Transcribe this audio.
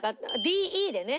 ＤＥでね。